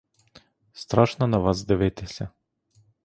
Страшно на вас дивитися!